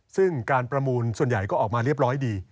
ซึ่งการประมูลส่วนใหญ่ก็ออกมาเรียบร้อยดี